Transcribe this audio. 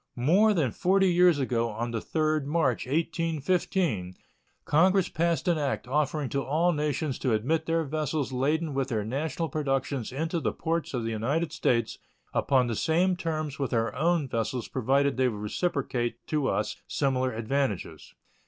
More than forty years ago, on the 3d March, 1815, Congress passed an act offering to all nations to admit their vessels laden with their national productions into the ports of the United States upon the same terms with our own vessels provided they would reciprocate to us similar advantages.